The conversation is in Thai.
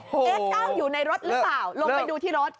เอ๊ะก้าวอยู่ในรถหรือเปล่าลงไปดูที่รถ